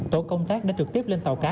tổ công tác đã trực tiếp lên tàu cá